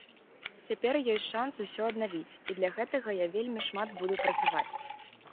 Цяпер ёсць шанс усё аднавіць, і для гэтага я вельмі шмат буду працаваць.